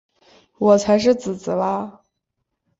我才是姊姊啦！